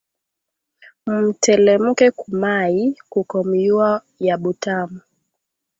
Mu telemuke ku mayi, kuko myuwa ya butamu